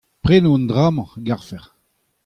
Prenañ an dra-mañ a garfec'h ?